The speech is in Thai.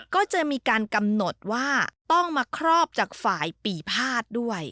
ก็จะมีการกำหนดว่าต้องมาครอบจากฝ่ายปีภาษณ์ด้วย